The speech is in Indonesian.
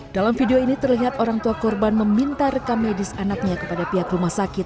dalam video ini terlihat orang tua korban meminta rekam medis anaknya kepada pihak rumah sakit